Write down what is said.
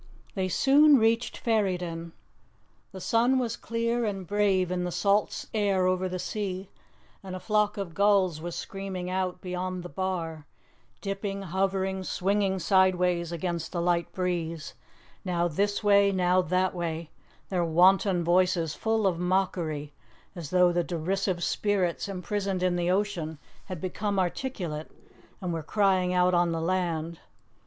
They soon reached Ferryden. The sun was clear and brave in the salt air over the sea, and a flock of gulls was screaming out beyond the bar, dipping, hovering, swinging sideways against the light breeze, now this way, now that way, their wanton voices full of mockery, as though the derisive spirits imprisoned in the ocean had become articulate, and were crying out on the land.